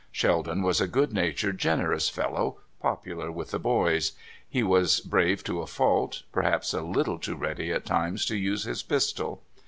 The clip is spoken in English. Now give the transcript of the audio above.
Sheldon was a good natured, generous fellow, popular with the '* boys." He was brave to a fault, perhaps a little too ready at times to use his pistol.